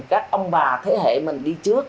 các ông bà thế hệ mình đi trước